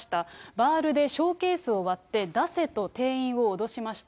バールでショーケースを割って、出せと店員を脅しました。